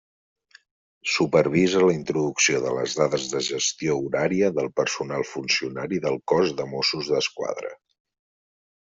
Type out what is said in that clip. Supervisa la introducció de les dades de gestió horària del personal funcionari del cos de Mossos d'Esquadra.